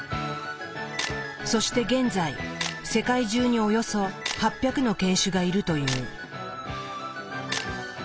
そして現在世界中におよそ８００の犬種がいるという。